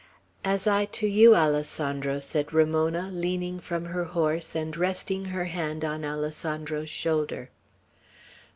"As I to you, Alessandro," said Ramona, leaning from her horse, and resting her hand on Alessandro's shoulder.